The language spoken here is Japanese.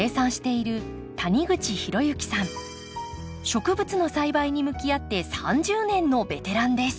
植物の栽培に向き合って３０年のベテランです。